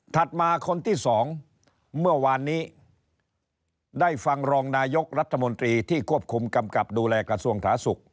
มาคนที่๒เมื่อวานนี้ได้ฟังรองนายกรัฐมนตรีที่ควบคุมกำกับดูแลกระทรวงสาธารณสุข